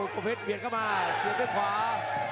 ประเภทเบียดเข้ามาเสียบด้วยขวา